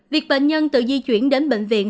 việc bệnh nhân tự di chuyển đến bệnh viện